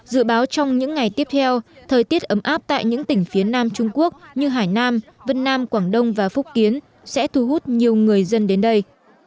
dự báo trong những ngày tiếp theo thời tiết ấm áp tại những tỉnh phía nam trung quốc như hải nam vân nam quảng đông và phúc kiến sẽ thu hút nhiều người dân đến đây